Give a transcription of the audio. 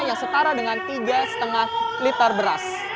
yang setara dengan tiga lima liter beras